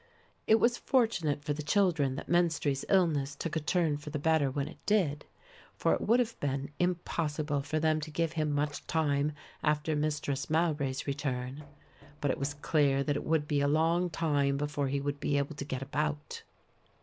It was fortunate for the children that Menstrie's illness took a turn for the better when it did, for it would have been impossible for them to give him much time after Mistress Mowbray's return. But it was clear that it would be a long time before he would be able to get about.